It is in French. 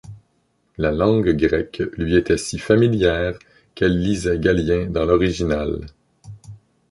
La langue grecque lui était si familière, qu’elle lisait Galien dans l’original.